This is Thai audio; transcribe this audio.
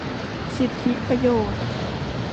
สิทธิประโยชน์